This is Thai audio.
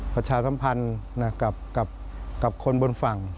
ประชาสัมพันธ์กับคนบนฝั่ง